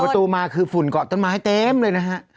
ตูมาคือฝุ่นเกาะต้นไม้เต็มเลยนะฮะ